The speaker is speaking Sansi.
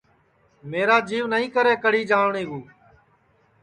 میرا جیو نائی کرے کڑی جاٹؔے کُو